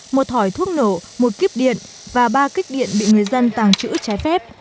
một thỏi thuốc nổ một kíp điện và ba kích điện bị người dân tàng trữ trái phép